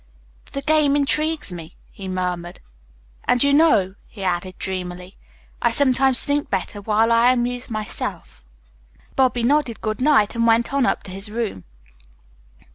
"The game intrigues me," he murmured, "and you know," he added dreamily. "I sometimes think better while I amuse myself." Bobby nodded good night and went on up to his room.